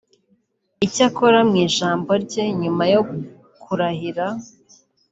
Icyakora mu ijambo rye nyuma yo kurahira